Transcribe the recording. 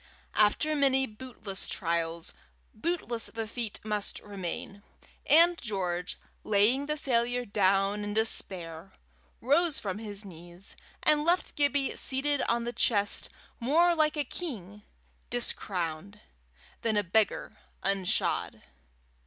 After many bootless trials, bootless the feet must remain, and George, laying the failure down in despair, rose from his knees, and left Gibbie seated on the chest more like a king discrowned, than a beggar unshod.